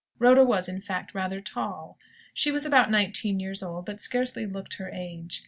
Rhoda was, in fact, rather tall. She was about nineteen years old, but scarcely looked her age.